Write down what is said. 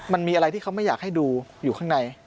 มันมีอะไรที่เขาไม่อยากให้ดูอยู่ข้างใน